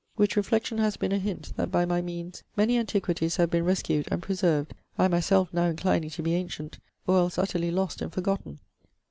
Which reflection haz been a hint, that by my meanes many antiquities have been reskued, and preserved (I myselfe now inclining to be ancient) or els utterly lost and forgotten.